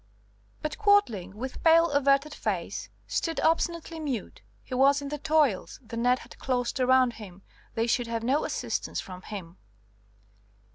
But Quadling, with pale, averted face, stood obstinately mute. He was in the toils, the net had closed round him, they should have no assistance from him.